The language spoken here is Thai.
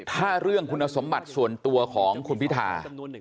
ถ้าเรื่องคุณสมบัติส่วนตัวของคุณพิธา